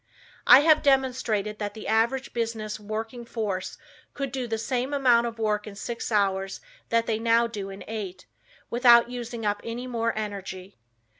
I have demonstrated that the average business working force could do the same amount of work in six hours that they now do in eight, without using up any more energy.